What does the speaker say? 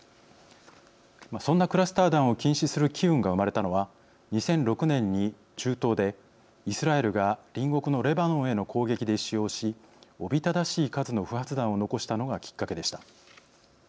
そんなクラスター弾を禁止する機運が生まれたのは２００６年に中東でイスラエルが隣国のレバノンへの攻撃で使用しおびただしい数の不発弾を残したのがきっかけでした。